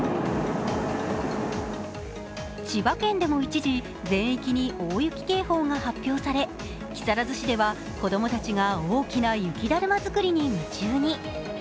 千葉県でも一時、全域に大雪警報が発表され、木更津市では子供たちが大きな雪だるま作りに夢中に。